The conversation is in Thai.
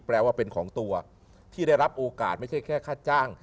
แปลว่าเป็นของตัวที่ได้รับโอกาสไม่ใช่แค่ค่าจ้าง